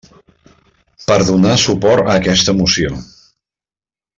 Per donar suport a aquesta moció.